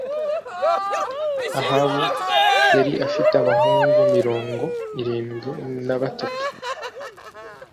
ahabu yari afite abahungu mirongo irindwi nabatatu.